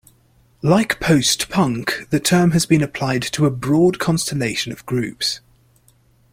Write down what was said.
Like post-punk, the term has been applied to a broad constellation of groups.